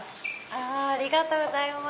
ありがとうございます。